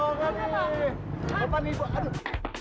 orang mau mengmis pak bisa lihat syarat